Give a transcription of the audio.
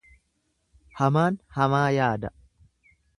Hamaan hamaa yaada.